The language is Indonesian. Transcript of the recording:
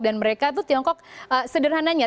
dan mereka tuh tiongkok sederhananya